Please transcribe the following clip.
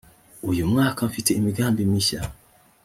uyu mwaka mfite imigambi mishya